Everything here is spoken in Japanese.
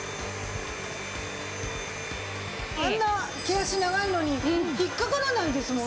あんな毛足長いのに引っかからないですもんね。